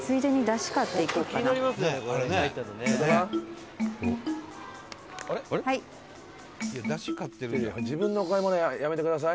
長谷川：「自分のお買い物やめてください」